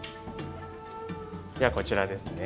ではこちらですね。